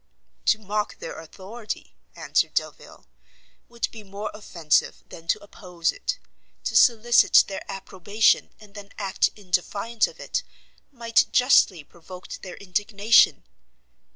"To mock their authority," answered Delvile, "would be more offensive than to oppose it; to solicit their approbation, and then act in defiance of it, might justly provoke their indignation.